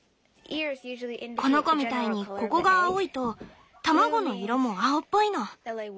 この子みたいにここが青いと卵の色も青っぽいの。